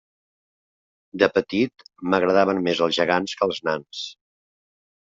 De petit m'agradaven més els gegants que els nans.